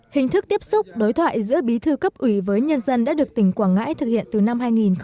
hình thức tiếp xúc đối thoại giữa bí thư cấp ủy với nhân dân đã được tỉnh quảng ngãi thực hiện từ năm hai nghìn một mươi